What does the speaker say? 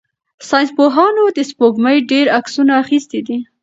ساینس پوهانو د سپوږمۍ ډېر عکسونه اخیستي دي.